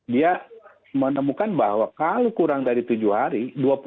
dia menemukan bahwa kalau kurang dari tujuh hari